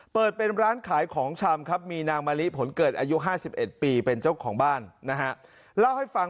เปิดเป็นร้านขายของชำครับมีนางมะลิผลเกิดอายุ๕๑ปีเป็นเจ้าของบ้านนะฮะเล่าให้ฟัง